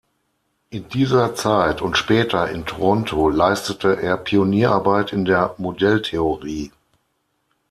In dieser Zeit und später in Toronto leistete er Pionierarbeit in der Modelltheorie.